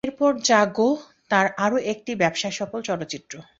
এরপর জাগো তার আরও একটি ব্যবসাসফল চলচ্চিত্র।